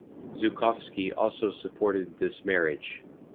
Zhukovsky also supported this marriage.